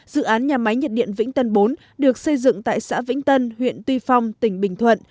dự án nhà máy nhiệt điện vĩnh tân bốn được xây dựng tại xã vĩnh tân huyện tuy phong tỉnh bình thuận